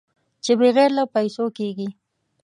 چې بغیر له پېسو کېږي.